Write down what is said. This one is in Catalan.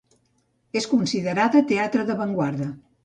És considerada teatre d'avantguarda.